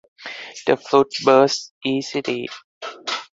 The fruit bursts easily.